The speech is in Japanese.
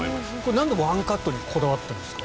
なんでワンカットにこだわってるんですか？